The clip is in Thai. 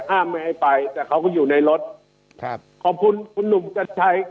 ห้ามไม่ให้ไปแต่เขาก็อยู่ในรถครับขอบคุณคุณหนุ่มกัญชัย